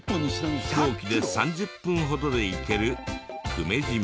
飛行機で３０分ほどで行ける久米島。